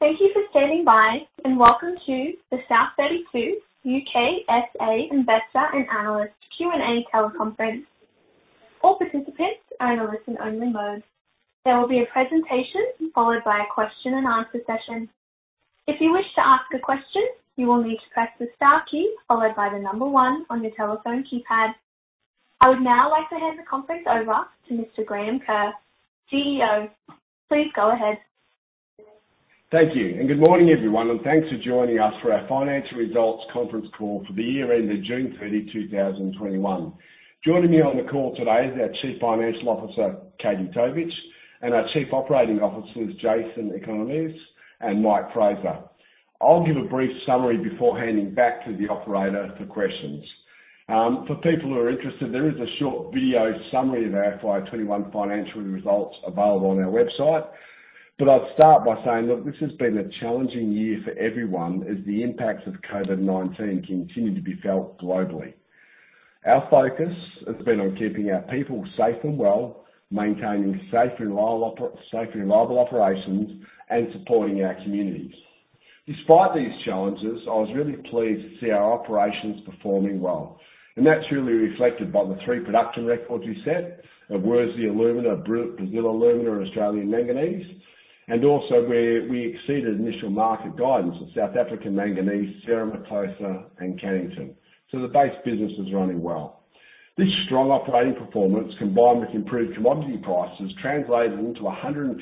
Thank you for standing by, and welcome to the South32 U.K. S.A. Investor and Analyst Q&A Teleconference. All participants are in a listen-only mode. There will be a presentation followed by a question-and-answer session. If you wish to ask a question, you will need to press the star key followed by the number one on your telephone keypad. I would now like to hand the conference over to Mr. Graham Kerr, CEO. Please go ahead. Thank you, and good morning everyone, and thanks for joining us for our Financial Results Conference call for the year ending June 30, 2021. Joining me on the call today is our Chief Financial Officer, Katie Tovich, and our Chief Operating Officers, Jason Economidis and Mike Fraser. I'll give a brief summary before handing back to the operator for questions. For people who are interested, there is a short video summary of our FY21 Financial Results available on our website, but I'll start by saying that this has been a challenging year for everyone as the impacts of COVID-19 continue to be felt globally. Our focus has been on keeping our people safe and well, maintaining safe and reliable operations, and supporting our communities. Despite these challenges, I was really pleased to see our operations performing well, and that's really reflected by the three production records we set: a Worsley Alumina, a Brazil Alumina, and Australian Manganese, and also where we exceeded initial market guidance with South African Manganese, Cerro Matoso, and Cannington. So the base business is running well. This strong operating performance, combined with improved commodity prices, translated into a 153%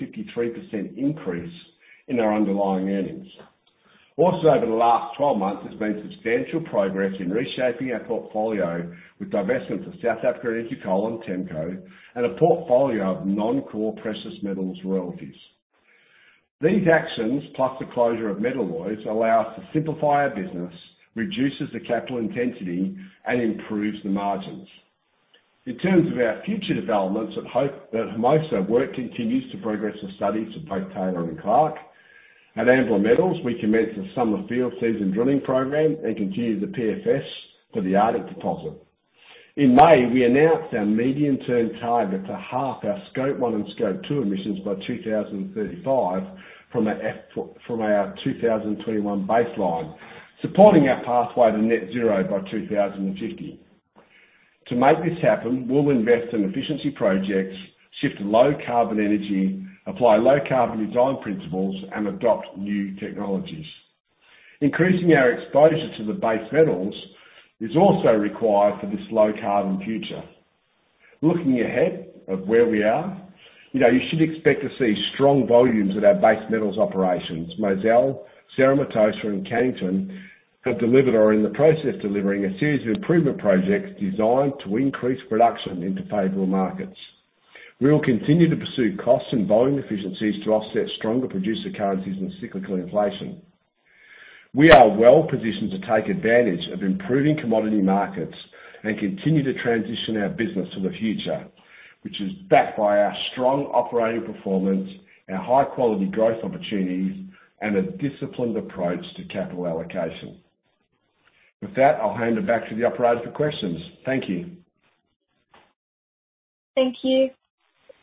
increase in our underlying earnings. Also, over the last 12 months, there's been substantial progress in reshaping our portfolio with divestment for South Africa Energy Coal and TEMCO, and a portfolio of non-core precious metals royalties. These actions, plus the closure of Metalloys, allow us to simplify our business, reduce the capital intensity, and improve the margins. In terms of our future developments, I hope that most of our work continues to progress with studies for both Taylor and Clark. At Ambler Metals, we commence the summer field season drilling program and continue the PFS for the Arctic deposit. In May, we announced our medium-term target to half our Scope 1 and Scope 2 emissions by 2035 from our 2021 baseline, supporting our pathway to net zero by 2050. To make this happen, we'll invest in efficiency projects, shift to low-carbon energy, apply low-carbon design principles, and adopt new technologies. Increasing our exposure to the base metals is also required for this low-carbon future. Looking ahead at where we are, you should expect to see strong volumes at our base metals operations. Mozal, Cerro Matoso, and Cannington have delivered or are in the process of delivering a series of improvement projects designed to increase production into favorable markets. We will continue to pursue cost and volume efficiencies to offset stronger producer currencies and cyclical inflation. We are well positioned to take advantage of improving commodity markets and continue to transition our business for the future, which is backed by our strong operating performance, our high-quality growth opportunities, and a disciplined approach to capital allocation. With that, I'll hand it back to the operator for questions. Thank you. Thank you.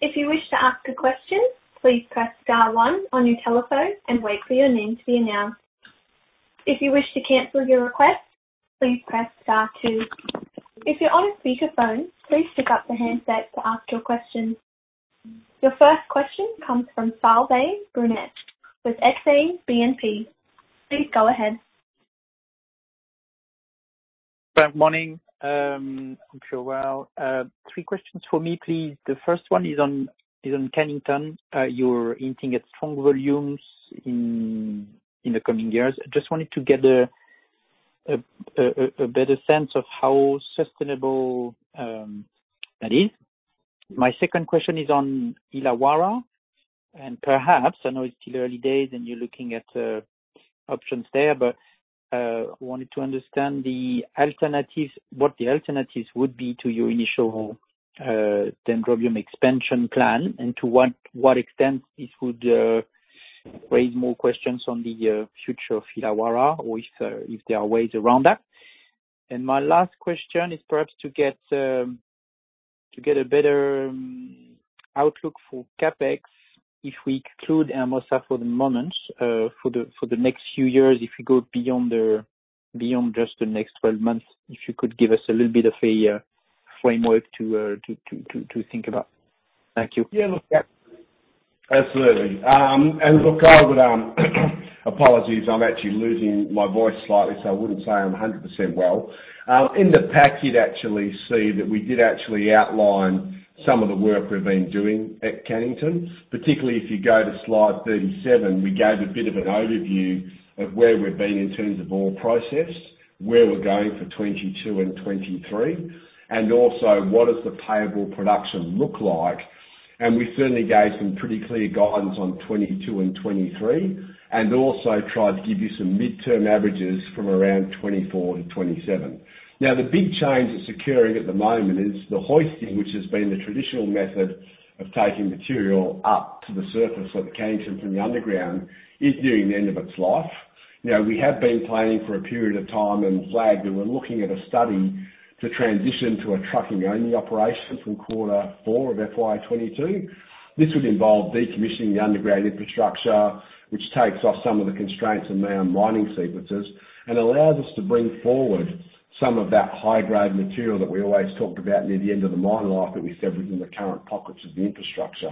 If you wish to ask a question, please press star one on your telephone and wait for your name to be announced. If you wish to cancel your request, please press star two. If you're on a speakerphone, please pick up the handset to ask your question. Your first question comes from Sylvain Brunet with Exane BNP. Please go ahead. Good morning. I'm sure, well. Three questions for me, please. The first one is on Cannington. You're hinting at strong volumes in the coming years. I just wanted to get a better sense of how sustainable that is. My second question is on Illawarra, and perhaps I know it's still early days and you're looking at options there, but I wanted to understand what the alternatives would be to your initial Dendrobium expansion plan and to what extent this would raise more questions on the future of Illawarra or if there are ways around that. And my last question is perhaps to get a better outlook for CapEx if we exclude Hermosa for the moment. For the next few years, if we go beyond just the next 12 months, if you could give us a little bit of a framework to think about. Thank you. Yeah, look, absolutely. And look, apologies, I'm actually losing my voice slightly, so I wouldn't say I'm 100% well. In the packet, actually, see that we did actually outline some of the work we've been doing at Cannington. Particularly if you go to slide 37, we gave a bit of an overview of where we've been in terms of all process, where we're going for 2022 and 2023, and also what does the payable production look like. And we certainly gave some pretty clear guidance on 2022 and 2023, and also tried to give you some midterm averages from around 2024 to 2027. Now, the big change that's occurring at the moment is the hoisting, which has been the traditional method of taking material up to the surface at the Cannington from the underground, is nearing the end of its life. Now, we have been planning for a period of time and flagged that we're looking at a study to transition to a trucking-only operation from quarter four of FY22. This would involve decommissioning the underground infrastructure, which takes off some of the constraints on our mining sequences and allows us to bring forward some of that high-grade material that we always talked about near the end of the mine life that we severed from the current pockets of the infrastructure.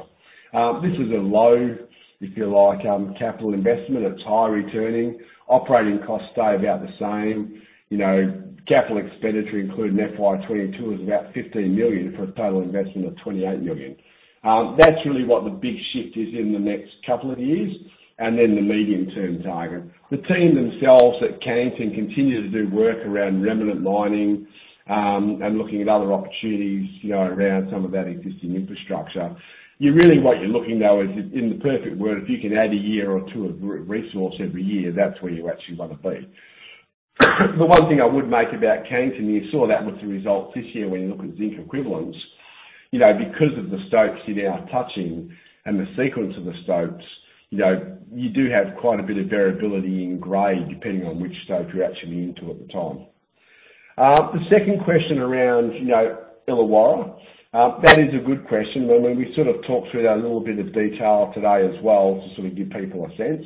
This is a low, if you like, capital investment. It's high returning. Operating costs stay about the same. Capital expenditure included in FY22 is about $15 million for a total investment of $28 million. That's really what the big shift is in the next couple of years, and then the medium-term target. The team themselves at Cannington continue to do work around remnant mining and looking at other opportunities around some of that existing infrastructure. Really, what you're looking at now is, in the perfect world, if you can add a year or two of resource every year, that's where you actually want to be. The one thing I would make about Cannington, you saw that with the results this year when you look at zinc equivalents. Because of the stopes you're now touching and the sequence of the stopes, you do have quite a bit of variability in grade depending on which stope you're actually into at the time. The second question around Illawarra, that is a good question. We sort of talked through that a little bit of detail today as well to sort of give people a sense.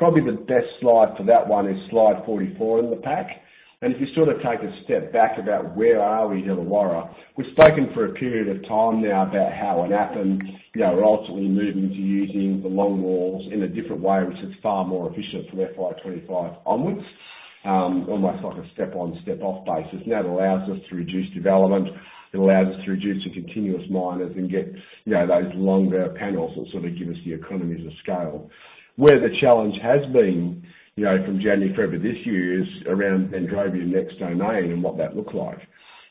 Probably the best slide for that one is slide 44 in the pack. If you sort of take a step back about where we are in Illawarra, we've spoken for a period of time now about how in Appin we're ultimately moving to using the longwalls in a different way, which is far more efficient for FY25 onwards on a step-on, step-off basis. That allows us to reduce development. It allows us to reduce the continuous miners and get those longer panels that sort of give us the economies of scale. Where the challenge has been from January, February this year is around Dendrobium Next Domain and what that looks like.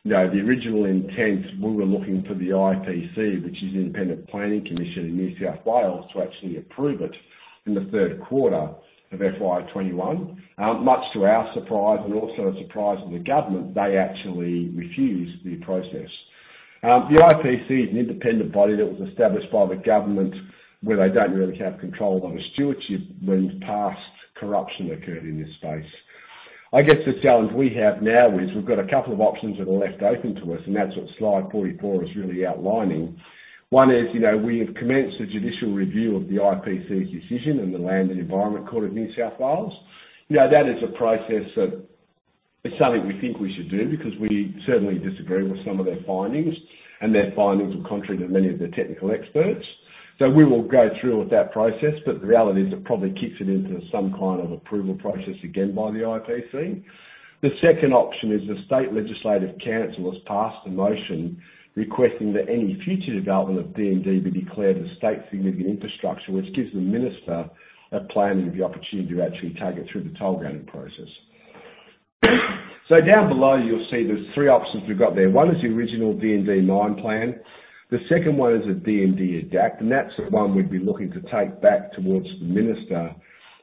The original intent, we were looking for the IPC, which is the Independent Planning Commission in New South Wales, to actually approve it in the third quarter of FY21. Much to our surprise and also a surprise to the government, they actually refused the process. The IPC is an independent body that was established by the government where they don't really have control over stewardship when past corruption occurred in this space. I guess the challenge we have now is we've got a couple of options that are left open to us, and that's what slide 44 is really outlining. One is we have commenced the judicial review of the IPC's decision and the Land and Environment Court of New South Wales. That is a process that is something we think we should do because we certainly disagree with some of their findings, and their findings are contrary to many of the technical experts. So we will go through with that process, but the reality is it probably kicks it into some kind of approval process again by the IPC. The second option is the State Legislative Council has passed a motion requesting that any future development of DND be declared as State Significant Infrastructure, which gives the minister a plan and the opportunity to actually take it through the toll-gating process. So down below, you'll see there's three options we've got there. One is the original DND mine plan. The second one is a DND adapt, and that's the one we'd be looking to take back towards the minister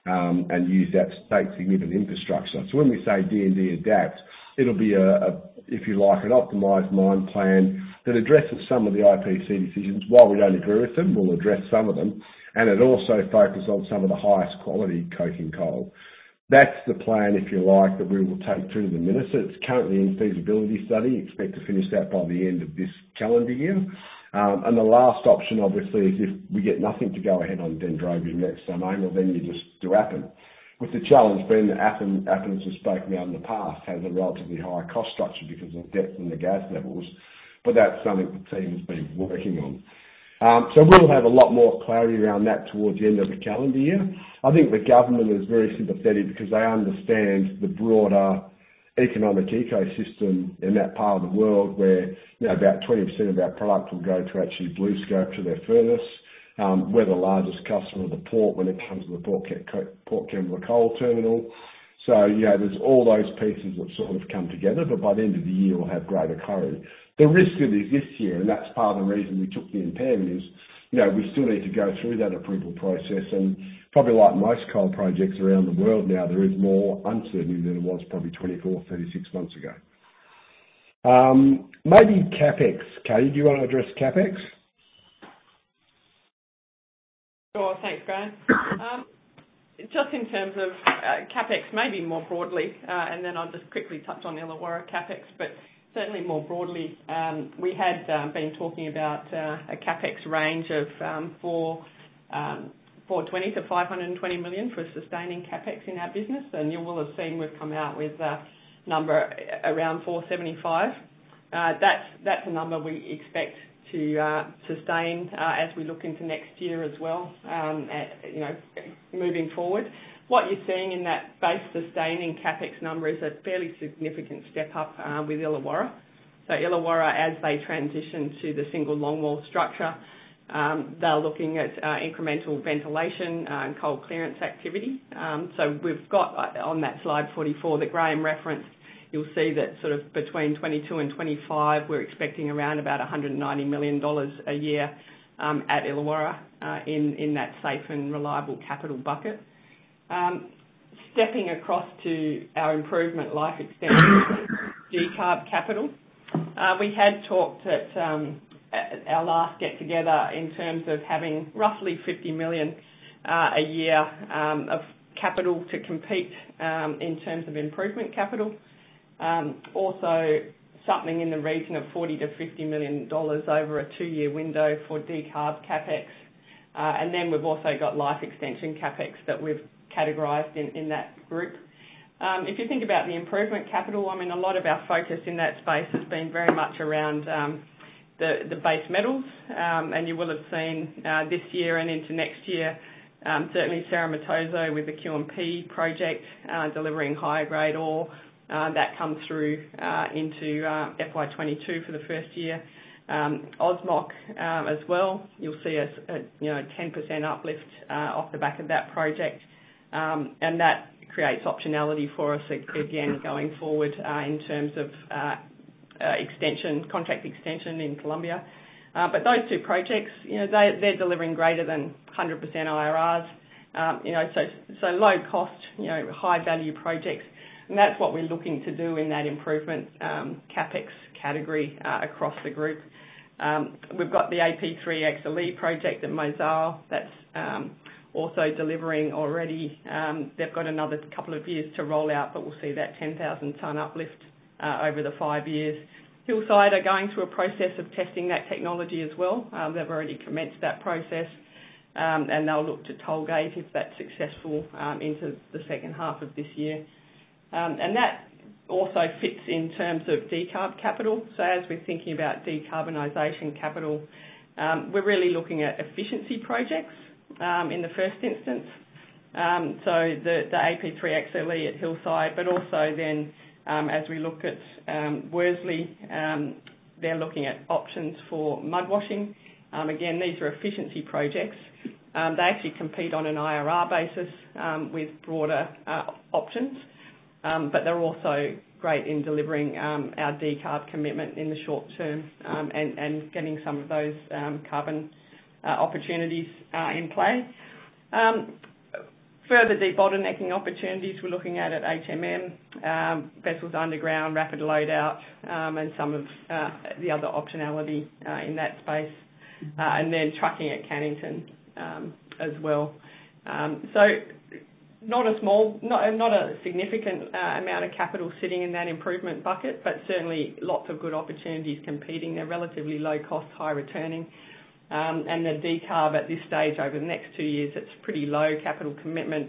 and use that State Significant Infrastructure. So when we say DND adapt, it'll be, if you like, an optimized mine plan that addresses some of the IPC decisions. While we don't agree with them, we'll address some of them, and it also focuses on some of the highest quality coking coal. That's the plan, if you like, that we will take through to the minister. It's currently in feasibility study. Expect to finish that by the end of this calendar year. The last option, obviously, is if we get nothing to go ahead on Dendrobium Next Domain. Well then you just do Appin. With the challenge being that Appin, as we've spoken about in the past, has a relatively high cost structure because of the depth and the gas levels, but that's something the team has been working on. We'll have a lot more clarity around that towards the end of the calendar year. I think the government is very sympathetic because they understand the broader economic ecosystem in that part of the world where about 20% of our product will go to actually BlueScope to their furnace, where the largest customer of the port when it comes to the Port Kembla Coal Terminal. So there's all those pieces that sort of come together, but by the end of the year, we'll have greater clarity. The risk of this year, and that's part of the reason we took the impairment, is we still need to go through that approval process. And probably like most coal projects around the world now, there is more uncertainty than there was probably 24, 36 months ago. Maybe CapEx, Katie, do you want to address CapEx? Sure, thanks, Graham. Just in terms of CapEx, maybe more broadly, and then I'll just quickly touch on Illawarra CapEx, but certainly more broadly. We had been talking about a CapEx range of $420 million-$520 million for sustaining CapEx in our business, and you will have seen we've come out with a number around $475 million. That's a number we expect to sustain as we look into next year as well, moving forward. What you're seeing in that base sustaining CapEx number is a fairly significant step up with Illawarra. So Illawarra, as they transition to the single longwall structure, they're looking at incremental ventilation and coal clearance activity. So we've got on that slide 44 that Graham referenced, you'll see that sort of between 2022 and 2025, we're expecting around about $190 million a year at Illawarra in that safe and reliable capital bucket. Stepping across to our improvement life extending decarb capital, we had talked at our last get-together in terms of having roughly $50 million a year of capital to compete in terms of improvement capital. Also, something in the region of $40 milllion-$50 million over a two-year window for decarb CapEx. And then we've also got life extension CapEx that we've categorized in that group. If you think about the improvement capital, I mean, a lot of our focus in that space has been very much around the base metals, and you will have seen this year and into next year, certainly Cerro Matoso with the Q&P project delivering higher grade ore that comes through into FY22 for the first year. Cannington as well, you'll see a 10% uplift off the back of that project, and that creates optionality for us again going forward in terms of contract extension in Colombia. But those two projects, they're delivering greater than 100% IRRs. So low-cost, high-value projects, and that's what we're looking to do in that improvement CapEx category across the group. We've got the AP3XLE project at Mozal that's also delivering already. They've got another couple of years to roll out, but we'll see that 10,000-ton uplift over the five years. Hillside are going through a process of testing that technology as well. They've already commenced that process, and they'll look to toll gate if that's successful into the second half of this year. And that also fits in terms of decarb capital. So as we're thinking about decarbonization capital, we're really looking at efficiency projects in the first instance. So the AP3XLE at Hillside, but also then as we look at Worsley, they're looking at options for mud washing. Again, these are efficiency projects. They actually compete on an IRR basis with broader options, but they're also great in delivering our decarb commitment in the short term and getting some of those carbon opportunities in play. Further deep bottlenecking opportunities we're looking a at vessels underground, rapid loadout, and some of the other optionality in that space, and then trucking at Cannington as well. So not a significant amount of capital sitting in that improvement bucket, but certainly lots of good opportunities competing. They're relatively low-cost, high-returning. And the decarb at this stage over the next two years, it's pretty low capital commitment.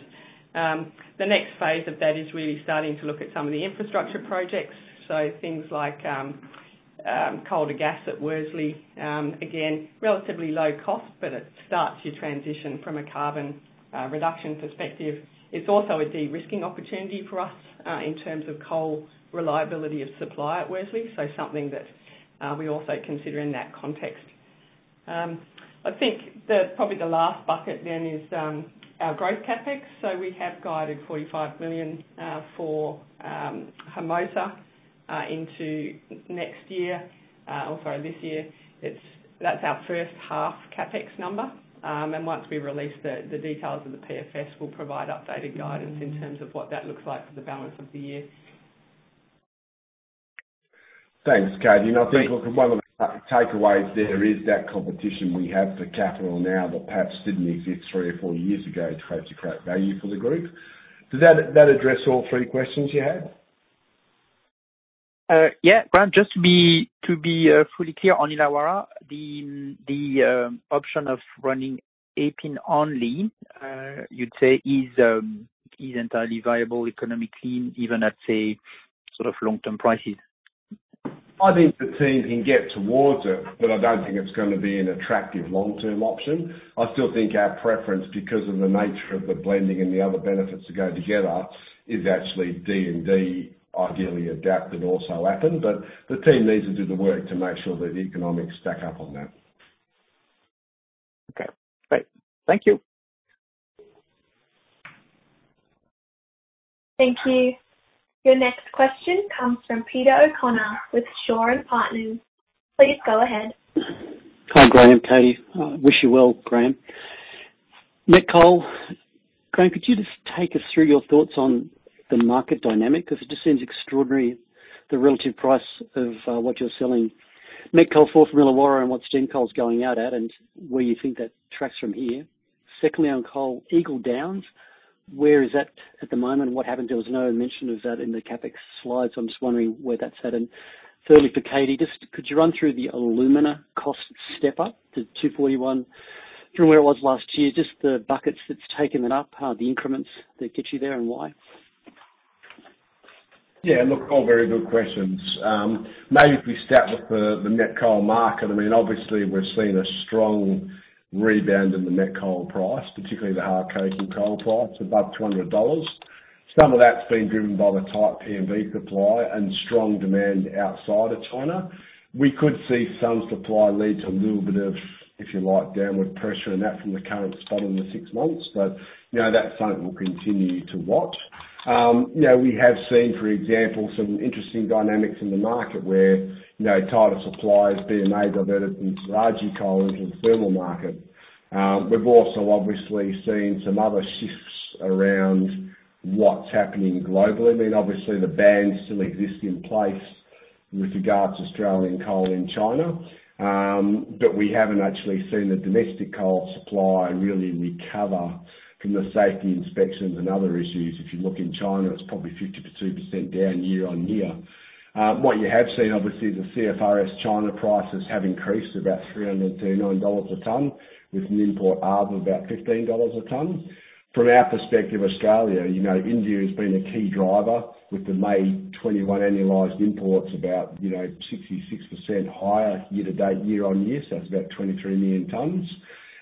The next phase of that is really starting to look at some of the infrastructure projects. So things like coal to gas at Worsley, again, relatively low cost, but it starts your transition from a carbon reduction perspective. It's also a de-risking opportunity for us in terms of coal reliability of supply at Worsley, so something that we also consider in that context. I think probably the last bucket then is our growth CapEx. So we have guided $45 million for Hermosa into next year, or sorry, this year. That's our first half CapEx number. And once we release the details of the PFS, we'll provide updated guidance in terms of what that looks like for the balance of the year. Thanks, Katie. And I think one of the takeaways there is that the competition we have for capital now that perhaps didn't exist three or four years ago to hope to create value for the group. Does that address all three questions you had? Yeah, Graham, just to be fully clear on Illawarra, the option of running Appin only, you'd say, is entirely viable economically, even at, say, sort of long-term prices? I think the team can get towards it, but I don't think it's going to be an attractive long-term option. I still think our preference, because of the nature of the blending and the other benefits that go together, is actually DND, ideally Appin, and also Appin. But the team needs to do the work to make sure that the economics stack up on that. Okay, great. Thank you. Thank you. Your next question comes from Peter O'Connor with Shaw and Partners. Please go ahead. Hi, Graham, Katie. Wish you well, Graham. Met coal. Graham, could you just take us through your thoughts on the market dynamic? Because it just seems extraordinary, the relative price of what you're selling. Met coal from Illawarra and what's thermal coal's going out at and where you think that tracks from here. Secondly, on coal, Eagle Downs, where is that at the moment? What happened? There was no mention of that in the CapEx slides, so I'm just wondering where that's at. And thirdly, for Katie, just could you run through the alumina cost step up to $241 from where it was last year? Just the buckets that's taken that up, the increments that get you there and why? Yeah, look, all very good questions. Maybe if we start with the met coal market, I mean, obviously we've seen a strong rebound in the met coal price, particularly the hard coking coal price, above $200. Some of that's been driven by the tight PLV supply and strong demand outside of China. We could see some supply lead to a little bit of, if you like, downward pressure in that from the current spot in the six months, but that's something we'll continue to watch. We have seen, for example, some interesting dynamics in the market where tighter supply has been made of it from Saraji coal into the thermal market. We've also obviously seen some other shifts around what's happening globally. I mean, obviously the band still exists in place with regards to Australian coal in China, but we haven't actually seen the domestic coal supply really recover from the safety inspections and other issues. If you look in China, it's probably 52% down year on year. What you have seen, obviously, is the CFR China prices have increased to about $339 a ton, with an import of about $15 a ton. From our perspective, Australia, India has been a key driver with the May 2021 annualized imports about 66% higher year-to-date, year on year, so that's about 23 million tons,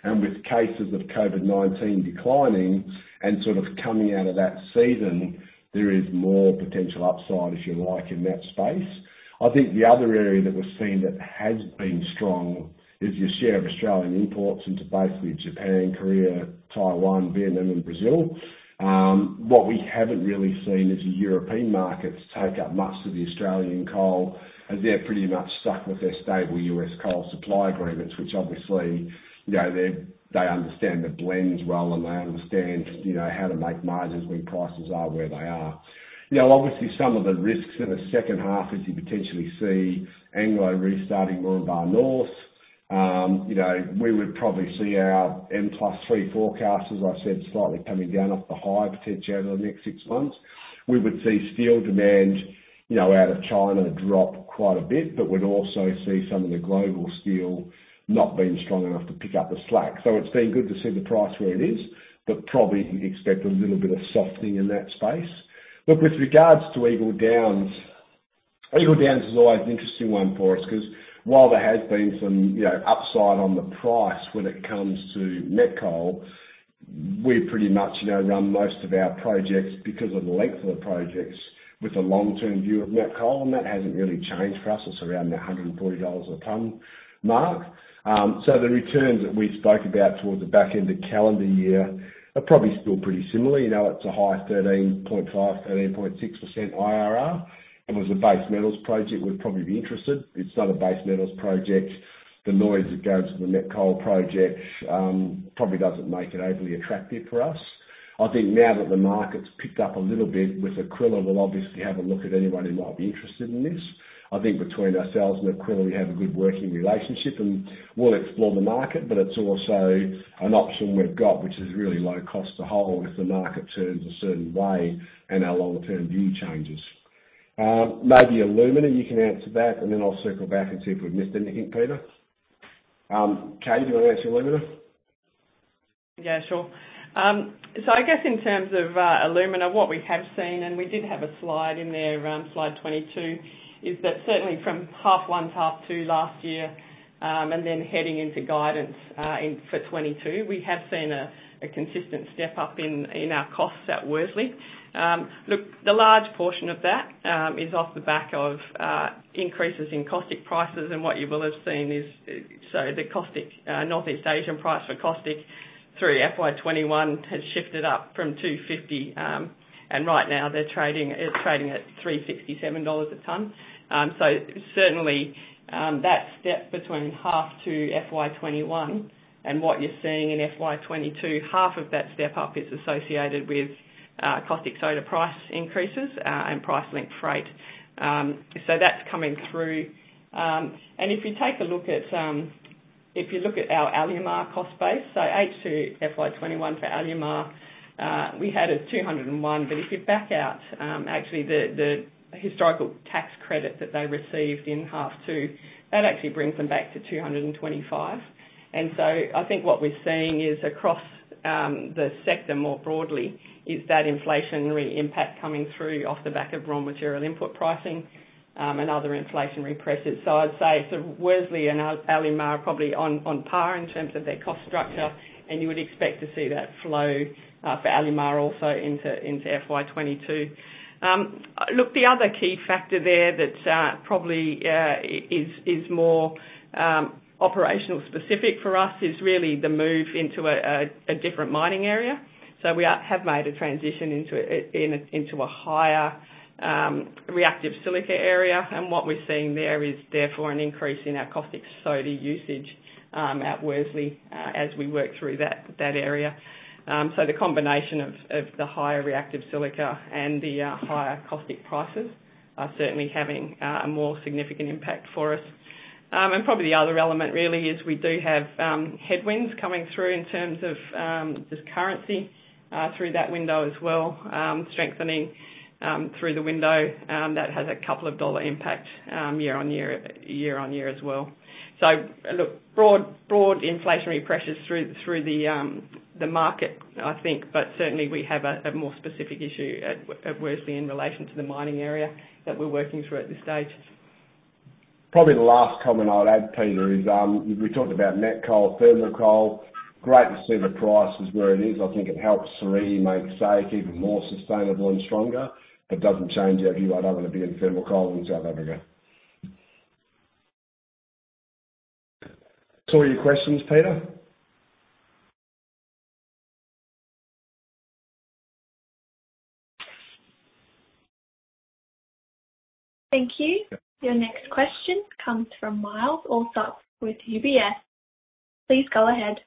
and with cases of COVID-19 declining and sort of coming out of that season, there is more potential upside, if you like, in that space. I think the other area that we've seen that has been strong is your share of Australian imports into basically Japan, Korea, Taiwan, Vietnam, and Brazil. What we haven't really seen is the European markets take up much of the Australian coal, as they're pretty much stuck with their stable US coal supply agreements, which obviously they understand the blends well and they understand how to make margins when prices are where they are. Obviously, some of the risks in the second half is you potentially see Anglo restarting Moranbah North. We would probably see our M+3 forecast, as I said, slightly coming down off the high potential over the next six months. We would see steel demand out of China drop quite a bit, but we'd also see some of the global steel not being strong enough to pick up the slack. So it's been good to see the price where it is, but probably expect a little bit of softening in that space. Look, with regards to Eagle Downs, Eagle Downs is always an interesting one for us because while there has been some upside on the price when it comes to met coal, we pretty much run most of our projects because of the length of the projects with a long-term view of met coal, and that hasn't really changed for us. It's around that $140 a ton mark. So the returns that we spoke about towards the back end of calendar year are probably still pretty similar. It's a high 13.5-13.6% IRR. It was a base metals project. We'd probably be interested. It's not a base metals project. The noise that goes with the met coal project probably doesn't make it overly attractive for us. I think now that the market's picked up a little bit with Aquila, we'll obviously have a look at anyone who might be interested in this. I think between ourselves and Aquila, we have a good working relationship, and we'll explore the market, but it's also an option we've got, which is really low cost to hold if the market turns a certain way and our long-term view changes. Maybe alumina, you can answer that, and then I'll circle back and see if we've missed anything, Peter. Katie, do you want to answer alumina? Yeah, sure. So I guess in terms of alumina, what we have seen, and we did have a slide in there, slide 22, is that certainly from half one, half two last year, and then heading into guidance for 2022, we have seen a consistent step up in our costs at Worsley. Look, the large portion of that is off the back of increases in caustic prices, and what you will have seen is, so the caustic Northeast Asian price for caustic through FY21 has shifted up from $250, and right now they're trading at $367 a ton. So certainly that step between half to FY21 and what you're seeing in FY22, half of that step up is associated with caustic soda price increases and price linked freight. So that's coming through. If you take a look at, if you look at our Alumar cost base, so H2 FY21 for Alumar, we had a $201, but if you back out, actually the historical tax credit that they received in half two, that actually brings them back to $225. And so I think what we're seeing is across the sector more broadly is that inflationary impact coming through off the back of raw material input pricing and other inflationary pressures. So I'd say so Worsley and Alumar are probably on par in terms of their cost structure, and you would expect to see that flow for Alumar also into FY22. Look, the other key factor there that probably is more operational specific for us is really the move into a different mining area. So we have made a transition into a higher reactive silica area, and what we're seeing there is therefore an increase in our caustic soda usage at Worsley as we work through that area. So the combination of the higher reactive silica and the higher caustic prices are certainly having a more significant impact for us. And probably the other element really is we do have headwinds coming through in terms of just currency through that window as well, strengthening through the window that has a couple of dollar impact year on year as well. So look, broad inflationary pressures through the market, I think, but certainly we have a more specific issue at Worsley in relation to the mining area that we're working through at this stage. Probably the last comment I'll add, Peter, is we talked about net coal, thermal coal. Great to see the price is where it is. I think it helps to really make SAEC even more sustainable and stronger, but doesn't change our view on our way to being thermal coal in South Africa. Saw your questions, Peter? Thank you. Your next question comes from Myles Allsop with UBS. Please go ahead.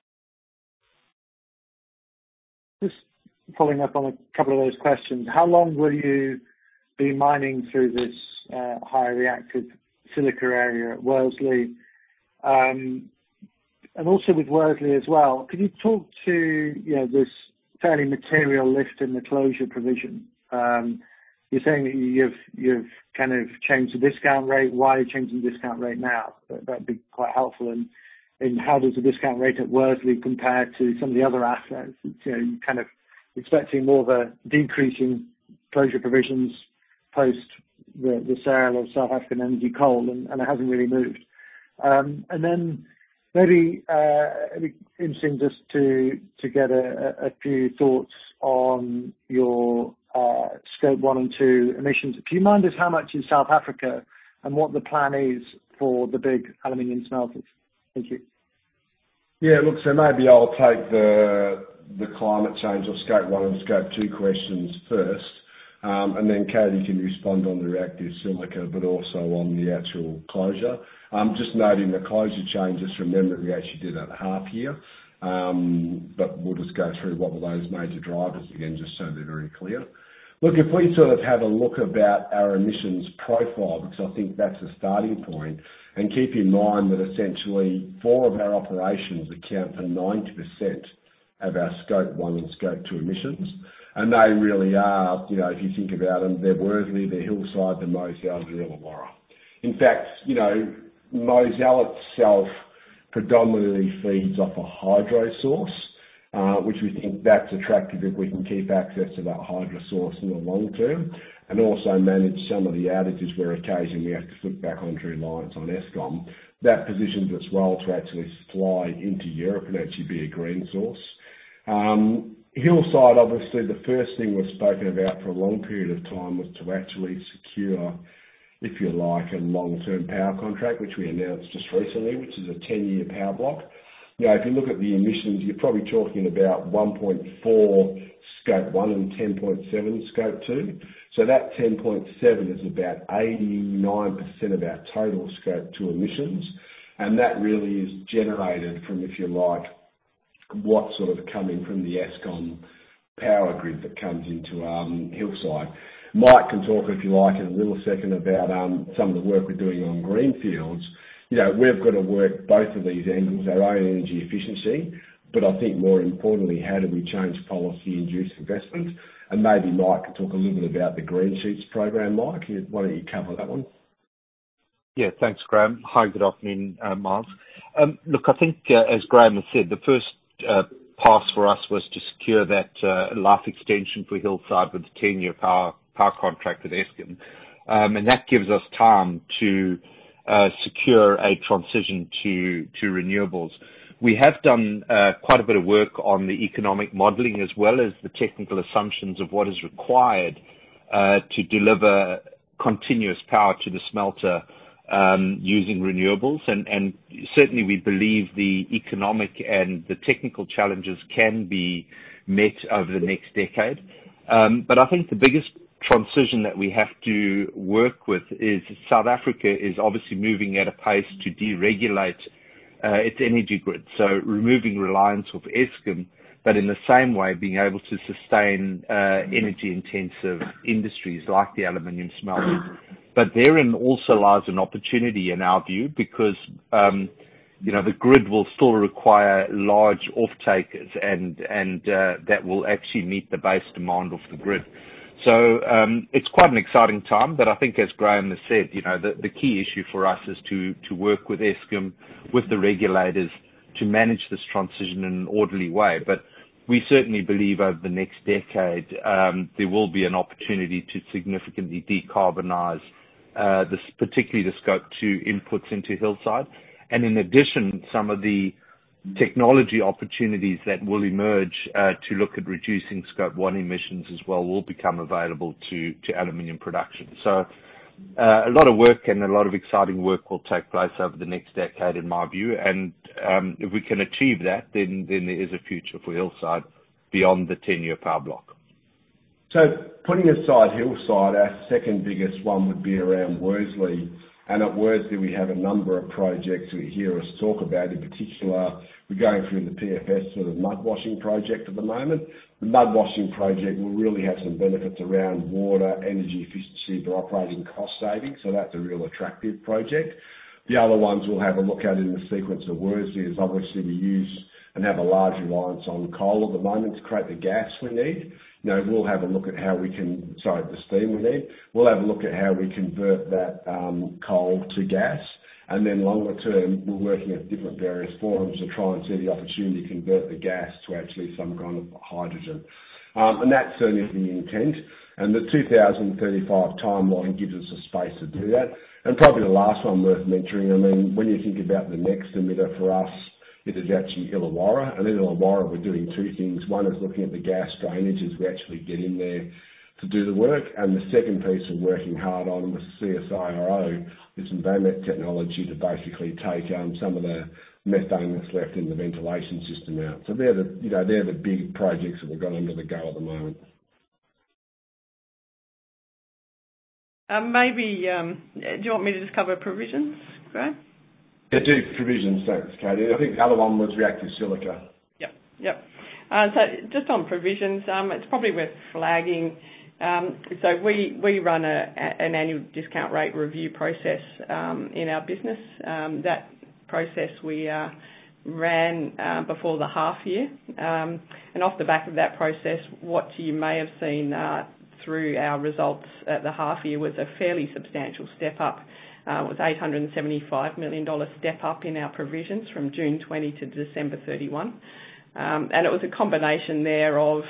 Just following up on a couple of those questions. How long will you be mining through this high reactive silica area at Worsley? And also with Worsley as well, could you talk to this fairly material lift in the closure provision? You're saying that you've kind of changed the discount rate. Why are you changing the discount rate now? That'd be quite helpful. And how does the discount rate at Worsley compare to some of the other assets? You're kind of expecting more of a decrease in closure provisions post the sale of South Africa Energy Coal, and it hasn't really moved. And then maybe it'd be interesting just to get a few thoughts on your Scope 1 and 2 emissions. Could you mind just how much is South Africa and what the plan is for the big aluminium smelters? Thank you. Yeah, look, so maybe I'll take the climate change or Scope 1 and Scope 2 questions first, and then Katie can respond on the reactive silica, but also on the actual closure. Just noting the closure changes, remember we actually did that half year, but we'll just go through what were those major drivers again, just so they're very clear. Look, if we sort of have a look about our emissions profile, because I think that's a starting point, and keep in mind that essentially four of our operations account for 90% of our Scope 1 and Scope 2 emissions, and they really are, if you think about them, they're Worsley, they're Hillside, they're Mozal, they're Illawarra. In fact, Mozal itself predominantly feeds off a hydro source, which we think that's attractive if we can keep access to that hydro source in the long term and also manage some of the outages where occasionally we have to flip back onto reliance on Eskom. That positions us well to actually supply into Europe and actually be a green source. Hillside, obviously, the first thing we've spoken about for a long period of time was to actually secure, if you like, a long-term power contract, which we announced just recently, which is a 10-year power block. If you look at the emissions, you're probably talking about 1.4 Scope 1 and 10.7 Scope 2. So that 10.7 is about 89% of our total Scope 2 emissions, and that really is generated from, if you like, what's sort of coming from the Eskom power grid that comes into Hillside. Mike can talk, if you like, in a little second about some of the work we're doing on Greenfields. We've got to work both of these angles, our own energy efficiency, but I think more importantly, how do we change policy-induced investment? And maybe Mike can talk a little bit about the Greenfields program, Mike. Why don't you cover that one? Yeah, thanks, Graham. Hi, good afternoon, Miles. Look, I think, as Graham has said, the first pass for us was to secure that life extension for Hillside with a 10-year power contract with Eskom, and that gives us time to secure a transition to renewables. We have done quite a bit of work on the economic modeling as well as the technical assumptions of what is required to deliver continuous power to the smelter using renewables, and certainly we believe the economic and the technical challenges can be met over the next decade. But I think the biggest transition that we have to work with is that South Africa is obviously moving at a pace to deregulate its energy grid, so removing reliance of Eskom, but in the same way being able to sustain energy-intensive industries like the aluminium smelter. But therein also lies an opportunity in our view because the grid will still require large off-takers, and that will actually meet the base demand of the grid. So it's quite an exciting time, but I think, as Graham has said, the key issue for us is to work with Eskom, with the regulators, to manage this transition in an orderly way. But we certainly believe over the next decade there will be an opportunity to significantly decarbonise particularly the Scope 2 inputs into Hillside. And in addition, some of the technology opportunities that will emerge to look at reducing Scope 1 emissions as well will become available to aluminium production. So a lot of work and a lot of exciting work will take place over the next decade, in my view, and if we can achieve that, then there is a future for Hillside beyond the 10-year power block. Putting aside Hillside, our second biggest one would be around Worsley, and at Worsley, we have a number of projects we hear us talk about. In particular, we're going through the PFS sort of mud washing project at the moment. The mud washing project will really have some benefits around water, energy efficiency, but operating cost savings, so that's a real attractive project. The other ones we'll have a look at in the sequence of Worsley is obviously we use and have a large reliance on coal at the moment to create the gas we need. Now, we'll have a look at how we can—sorry, the steam we need. We'll have a look at how we convert that coal to gas, and then longer term, we're working at different various forums to try and see the opportunity to convert the gas to actually some kind of hydrogen. That certainly is the intent, and the 2035 timeline gives us a space to do that. Probably the last one worth mentioning, I mean, when you think about the next emitter for us, it is actually Illawarra, and in Illawarra, we're doing two things. One is looking at the gas drainage as we actually get in there to do the work, and the second piece we're working hard on with CSIRO is some VAMMIT technology to basically take some of the methane that's left in the ventilation system out. They're the big projects that we've got underway at the moment. Maybe do you want me to just cover provisions, Graham? Yeah, closure provisions, thanks, Katie. I think the other one was reactive silica. Yep, yep. So just on provisions, it's probably worth flagging. So we run an annual discount rate review process in our business. That process we ran before the half year, and off the back of that process, what you may have seen through our results at the half year was a fairly substantial step up. It was an $875 million step up in our provisions from June 2020 to December 31, 2020, and it was a combination there of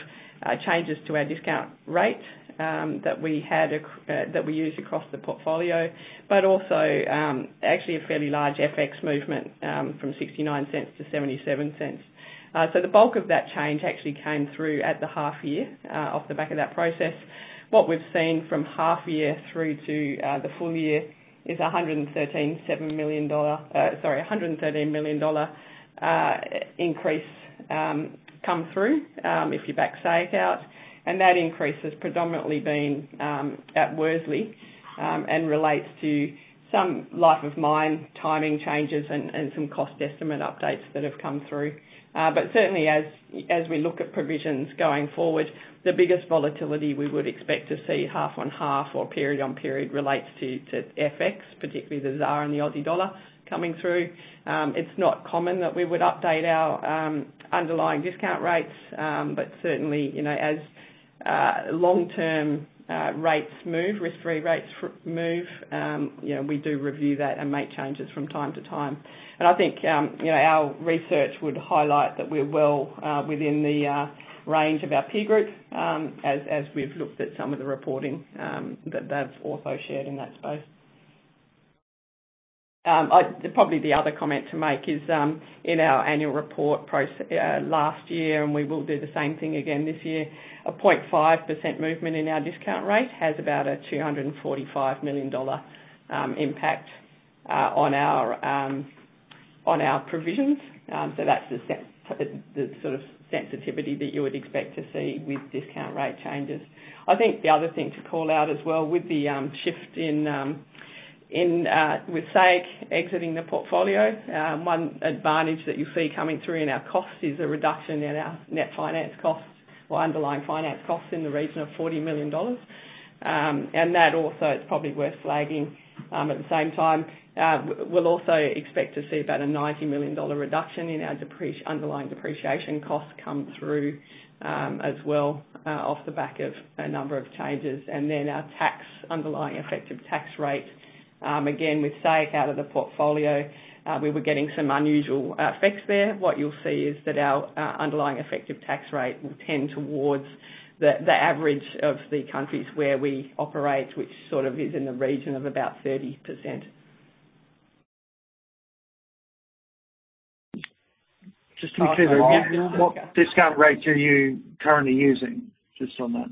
changes to our discount rate that we used across the portfolio, but also actually a fairly large FX movement from $0.69 to $0.77. So the bulk of that change actually came through at the half year off the back of that process. What we've seen from half year through to the full year is a $1,137 million, sorry, $113 million increase come through if you backstake out, and that increase has predominantly been at Worsley and relates to some life-of-mine timing changes and some cost estimate updates that have come through. But certainly, as we look at provisions going forward, the biggest volatility we would expect to see half on half or period on period relates to FX, particularly the Zar and the Aussie dollar coming through. It's not common that we would update our underlying discount rates, but certainly, as long-term rates move, risk-free rates move, we do review that and make changes from time to time, and I think our research would highlight that we're well within the range of our peer group as we've looked at some of the reporting that they've also shared in that space. Probably the other comment to make is in our annual report last year, and we will do the same thing again this year, a 0.5% movement in our discount rate has about a $245 million impact on our provisions. So that's the sort of sensitivity that you would expect to see with discount rate changes. I think the other thing to call out as well with the shift in, with SAEC exiting the portfolio, one advantage that you see coming through in our costs is a reduction in our net finance costs or underlying finance costs in the region of $40 million, and that also is probably worth flagging. At the same time, we'll also expect to see about a $90 million reduction in our underlying depreciation costs come through as well off the back of a number of changes. And then our underlying effective tax rate, again with SAEC out of the portfolio, we were getting some unusual effects there. What you'll see is that our underlying effective tax rate will tend towards the average of the countries where we operate, which sort of is in the region of about 30%. Just to be clear, what discount rate are you currently using just on that?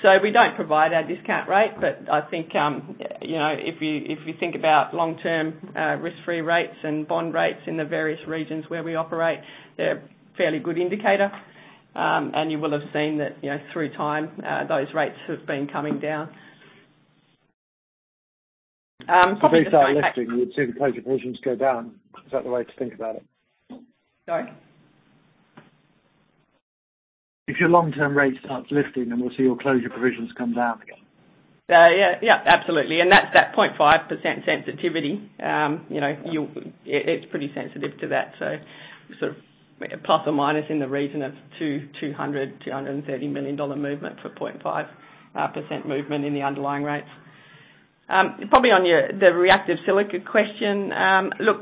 So we don't provide our discount rate, but I think if you think about long-term risk-free rates and bond rates in the various regions where we operate, they're a fairly good indicator, and you will have seen that through time those rates have been coming down. If it starts lifting, you'd see the closure provisions go down. Is that the way to think about it? Sorry? If your long-term rate starts lifting, then we'll see your closure provisions come down again. Yeah, yeah, absolutely. And that's that 0.5% sensitivity. It's pretty sensitive to that, so sort of plus or minus in the region of $200 million-$230 million movement for 0.5% movement in the underlying rates. Probably on the reactive silica question, look,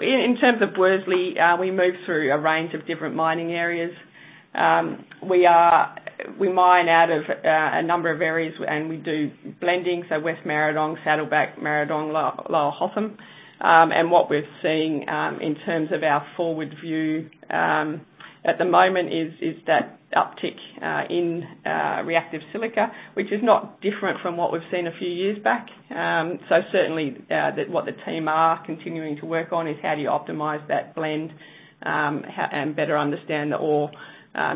in terms of Worsley, we move through a range of different mining areas. We mine out of a number of areas, and we do blending, so West Maradong, Saddleback, Maradong, Lower Hotham. And what we're seeing in terms of our forward view at the moment is that uptick in reactive silica, which is not different from what we've seen a few years back. So certainly, what the team are continuing to work on is how do you optimize that blend and better understand the ore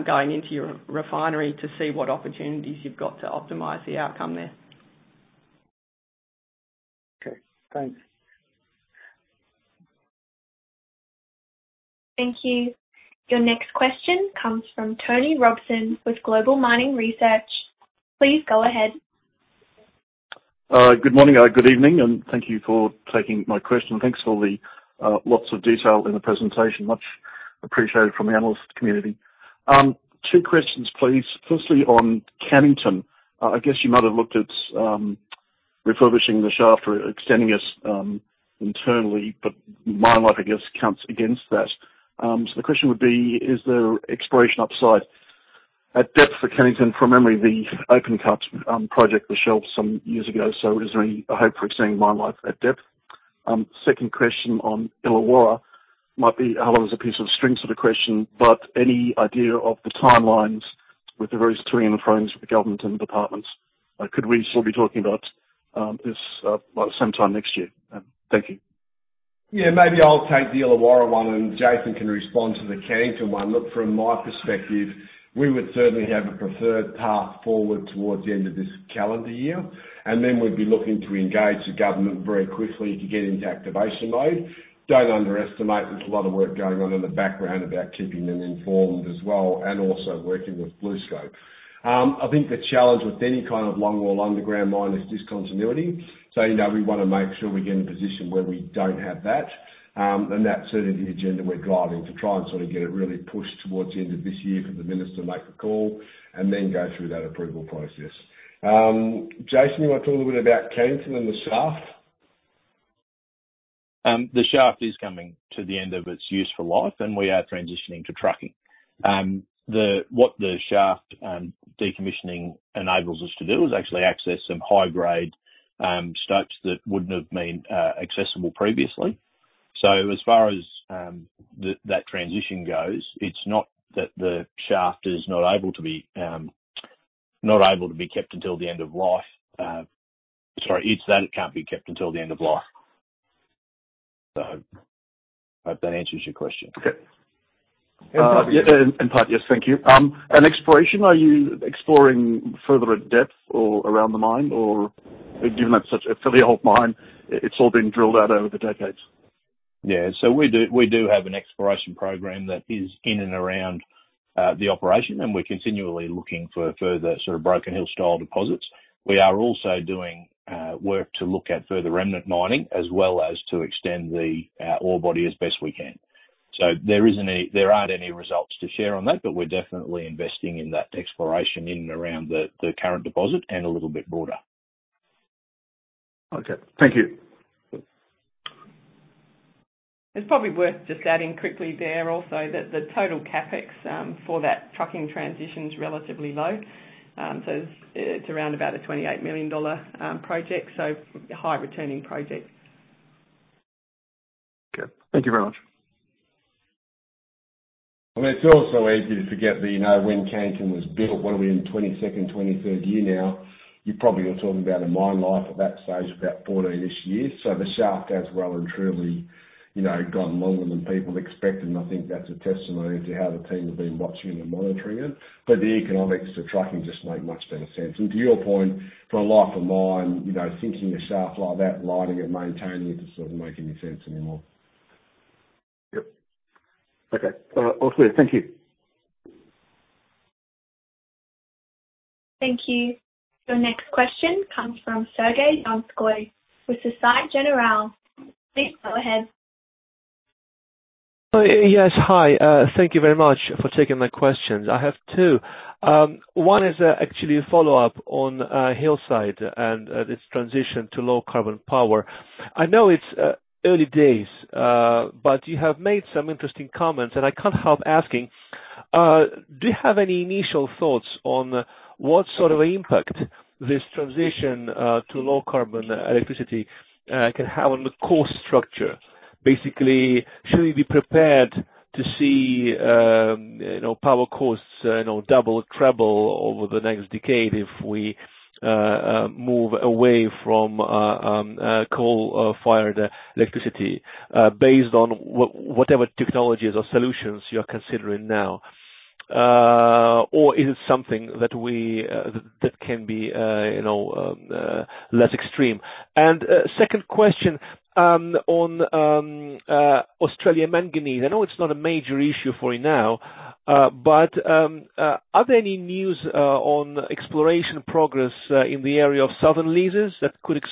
going into your refinery to see what opportunities you've got to optimize the outcome there. Okay, thanks. Thank you. Your next question comes from Tony Robson with Global Mining Research. Please go ahead. Good morning or good evening, and thank you for taking my question. Thanks for the lots of detail in the presentation. Much appreciated from the analyst community. Two questions, please. Firstly, on Cannington, I guess you might have looked at refurbishing the shaft or extending it internally, but mine life, I guess, counts against that. So the question would be, is there exploration upside at depth for Cannington? From memory, the open-cut project was shelved some years ago, so is there any hope for extending mine life at depth? Second question on Illawarra might be a hell of a piece of string sort of question, but any idea of the timelines with the various three and the phones with the government and departments? Could we still be talking about this by the same time next year? Thank you. Yeah, maybe I'll take the Illawarra one, and Jason can respond to the Cannington one. Look, from my perspective, we would certainly have a preferred path forward towards the end of this calendar year, and then we'd be looking to engage the government very quickly to get into activation mode. Don't underestimate, there's a lot of work going on in the background about keeping them informed as well and also working with BlueScope. I think the challenge with any kind of longwall underground mine is discontinuity, so we want to make sure we get in a position where we don't have that, and that's certainly the agenda we're driving to try and sort of get it really pushed towards the end of this year for the minister to make the call and then go through that approval process. Jason, you want to talk a little bit about Cannington and the shaft? The shaft is coming to the end of its useful life, and we are transitioning to trucking. What the shaft decommissioning enables us to do is actually access some high-grade stopes that wouldn't have been accessible previously. So as far as that transition goes, it's not that the shaft is not able to be kept until the end of life. Sorry, it's that it can't be kept until the end of life. So I hope that answers your question. Okay. In part, yes. Thank you and exploration. Are you exploring further at depth or around the mine, or given that it's such a fairly old mine, it's all been drilled out over the decades? Yeah, so we do have an exploration program that is in and around the operation, and we're continually looking for further sort of Broken Hill-style deposits. We are also doing work to look at further remnant mining as well as to extend the ore body as best we can. So there aren't any results to share on that, but we're definitely investing in that exploration in and around the current deposit and a little bit broader. Okay, thank you. It's probably worth just adding quickly there also that the total CapEx for that trucking transition is relatively low, so it's around about a $28 million project, so a high-returning project. Okay, thank you very much. I mean, it's also easy to forget when Cannington was built. What are we in, 22nd, 23rd year now? You probably are talking about a mine life at that stage of about 14-ish years. So the shaft has well and truly gone longer than people expected, and I think that's a testimony to how the team have been watching and monitoring it. But the economics for trucking just make much better sense. And to your point, for a life of mine, sinking a shaft like that, lighting it, maintaining it, doesn't make any sense anymore. Yep. Okay, awesome. Thank you. Thank you. Your next question comes from Sergey Donskoy with Société Générale. Please go ahead. Yes, hi. Thank you very much for taking my questions. I have two. One is actually a follow-up on Hillside and its transition to low-carbon power. I know it's early days, but you have made some interesting comments, and I can't help asking, do you have any initial thoughts on what sort of impact this transition to low-carbon electricity can have on the cost structure? Basically, should we be prepared to see power costs double or treble over the next decade if we move away from coal-fired electricity based on whatever technologies or solutions you are considering now? Or is it something that can be less extreme? And second question on Australia Manganese. I know it's not a major issue for you now, but are there any news on exploration progress in the area of southern leases that could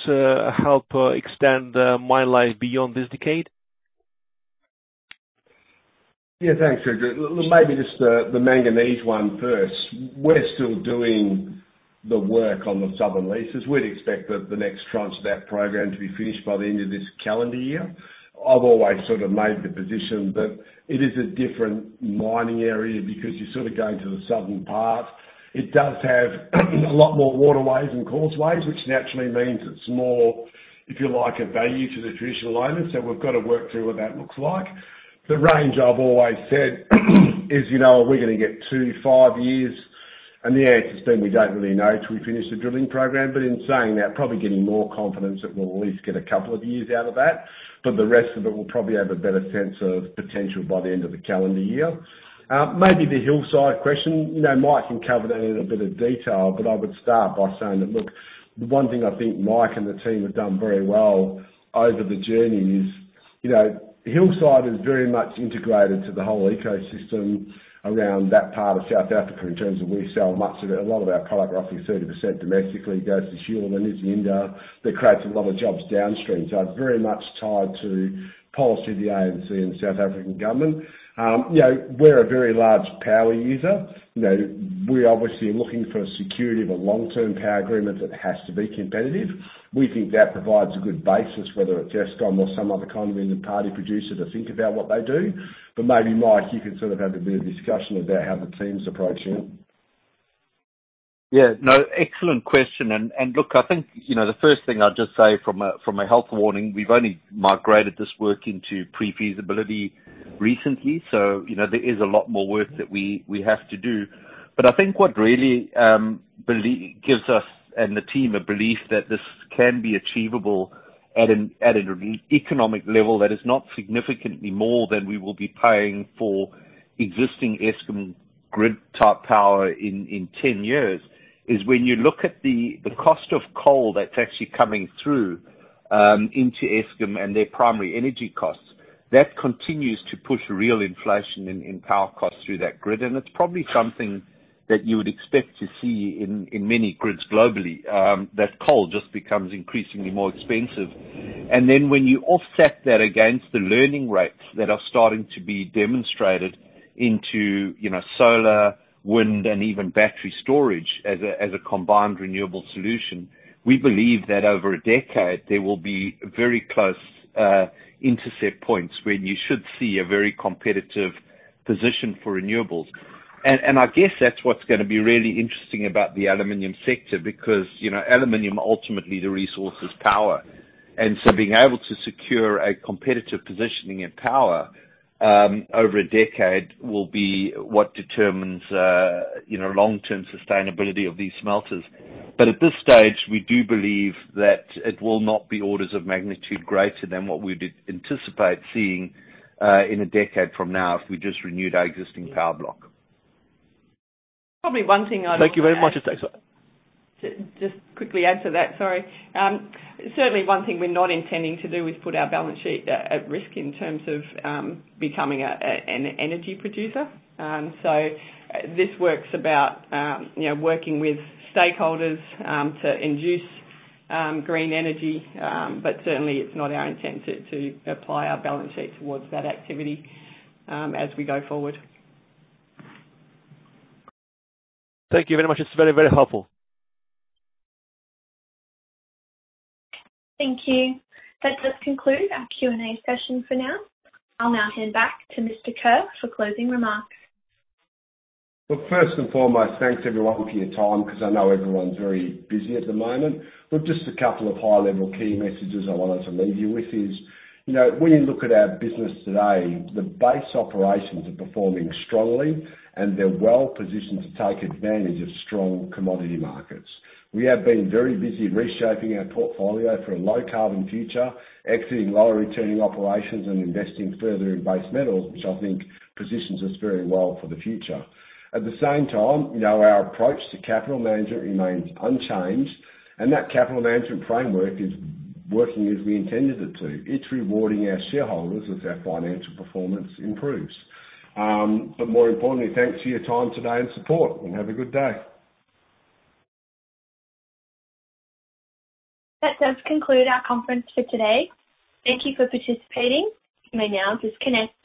help extend mine life beyond this decade? Yeah, thanks, Sergey. Maybe just the manganese one first. We're still doing the work on the southern leases. We'd expect the next tranche of that program to be finished by the end of this calendar year. I've always sort of made the position that it is a different mining area because you're sort of going to the southern part. It does have a lot more waterways and causeways, which naturally means it's more, if you like, a value to the traditional owners. So we've got to work through what that looks like. The range I've always said is we're going to get two-five years, and the answer's been we don't really know till we finish the drilling program. But in saying that, probably getting more confidence that we'll at least get a couple of years out of that, but the rest of it we'll probably have a better sense of potential by the end of the calendar year. Maybe the Hillside question, Mike can cover that in a bit of detail, but I would start by saying that, look, the one thing I think Mike and the team have done very well over the journey is Hillside is very much integrated to the whole ecosystem around that part of South Africa in terms of we sell much of it. A lot of our product, roughly 30% domestically, goes to Hillside and to India. That creates a lot of jobs downstream. So it's very much tied to policy of the ANC and South African government. We're a very large power user. We obviously are looking for a security of a long-term power agreement that has to be competitive. We think that provides a good basis, whether it's Eskom or some other kind of independent power producer to think about what they do. But maybe Mike, you could sort of have a bit of discussion about how the team's approaching it. Yeah, no, excellent question. And look, I think the first thing I'll just say from a health warning, we've only migrated this work into pre-feasibility recently, so there is a lot more work that we have to do. But I think what really gives us and the team a belief that this can be achievable at an economic level that is not significantly more than we will be paying for existing Eskom grid-type power in 10 years is when you look at the cost of coal that's actually coming through into Eskom and their primary energy costs, that continues to push real inflation in power costs through that grid. And it's probably something that you would expect to see in many grids globally, that coal just becomes increasingly more expensive. And then when you offset that against the learning rates that are starting to be demonstrated into solar, wind, and even battery storage as a combined renewable solution, we believe that over a decade there will be very close intercept points when you should see a very competitive position for renewables. And I guess that's what's going to be really interesting about the aluminium sector because aluminium ultimately the resource is power. And so being able to secure a competitive positioning in power over a decade will be what determines long-term sustainability of these smelters. But at this stage, we do believe that it will not be orders of magnitude greater than what we would anticipate seeing in a decade from now if we just renewed our existing power block. Probably one thing I'd also. Thank you very much. Just quickly answer that, sorry. Certainly, one thing we're not intending to do is put our balance sheet at risk in terms of becoming an energy producer. So this is about working with stakeholders to induce green energy, but certainly it's not our intent to apply our balance sheet towards that activity as we go forward. Thank you very much. It's very, very helpful. Thank you. That does conclude our Q&A session for now. I'll now hand back to Mr. Kerr for closing remarks. Look, first and foremost, thanks everyone for your time because I know everyone's very busy at the moment. Look, just a couple of high-level key messages I wanted to leave you with is when you look at our business today, the base operations are performing strongly, and they're well positioned to take advantage of strong commodity markets. We have been very busy reshaping our portfolio for a low-carbon future, exiting lower-returning operations, and investing further in base metals, which I think positions us very well for the future. At the same time, our approach to capital management remains unchanged, and that capital management framework is working as we intended it to. It's rewarding our shareholders as our financial performance improves. But more importantly, thanks for your time today and support, and have a good day. That does conclude our conference for today. Thank you for participating. You may now disconnect.